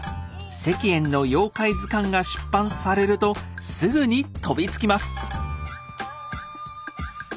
石燕の妖怪図鑑が出版されるとすぐに飛びつきます。